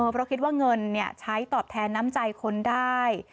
เพราะคิดว่าเงินใช้ตอบแทนน้ำใจคนได้